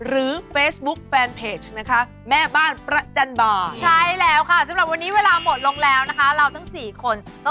เราทำลับตามตรงไหนค่ะ